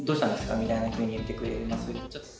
みたいなふうに言ってくれます。